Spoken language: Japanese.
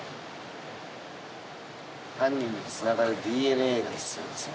犯人につながるＤＮＡが必要ですよ。